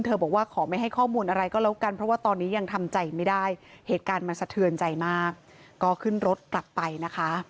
เธอบอกว่าขอไม่ให้ข้อมูลอะไรก็แล้วกัน